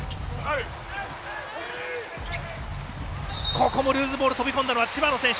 ここもルーズボール飛び込んだのは千葉の選手。